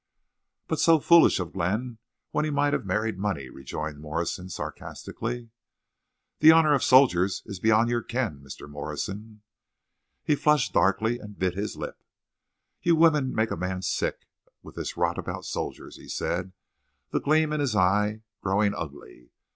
"But so foolish of Glenn when he might have married money," rejoined Morrison, sarcastcally. "The honor of soldiers is beyond your ken, Mr. Morrison." He flushed darkly and bit his lip. "You women make a man sick with this rot about soldiers," he said, the gleam in his eye growing ugly.